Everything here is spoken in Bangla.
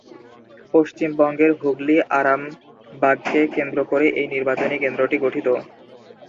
পশ্চিমবঙ্গের হুগলী-আরামবাগকে কেন্দ্র করে এই নির্বাচনী কেন্দ্রটি গঠিত।